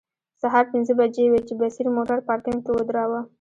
سهار پنځه بجې وې چې بصیر موټر پارکینګ کې ودراوه.